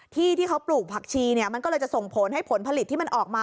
ที่เขาปลูกผักชีเนี่ยมันก็เลยจะส่งผลให้ผลผลิตที่มันออกมา